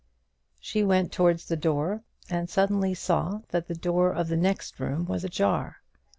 She went towards the door, and suddenly saw that the door of the next room was ajar.